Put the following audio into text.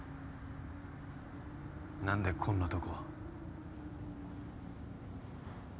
何でこんなとこ。